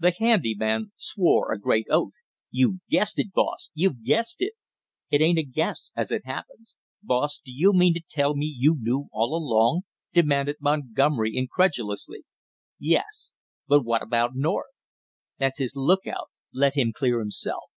The handy man swore a great oath. "You've guessed it, boss! You've guessed it." "It ain't a guess as it happens." "Boss, do you mean to tell me you knew all along?" demanded Montgomery incredulously. "Yes." "But what about North?" "That's his lookout, let him clear himself."